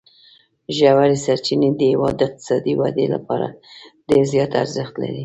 ژورې سرچینې د هېواد د اقتصادي ودې لپاره ډېر زیات ارزښت لري.